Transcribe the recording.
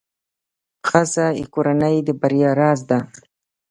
ښځه د کورنۍ د بریا راز ده.